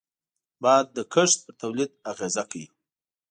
باد د کښت پر تولید اغېز کوي